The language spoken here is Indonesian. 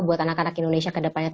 buat anak anak indonesia kedepannya